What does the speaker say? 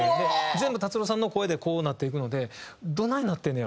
全部達郎さんの声でこうなっていくのでどないなってんね